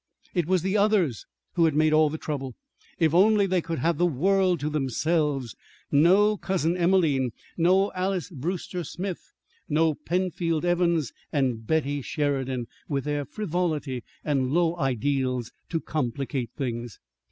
It was the others who had made all the trouble. If only they could have the world to themselves no Cousin Emelene, no Alys Brewster Smith, no Penfield Evans and Betty Sheridan, with their frivolity and low ideals, to complicate things!